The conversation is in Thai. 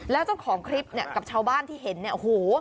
แล้วเจ้าของคลิปเนี่ยกับชาวบ้านที่เห็นเนี่ยโอ้โห